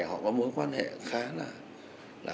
họ có mối quan hệ khá là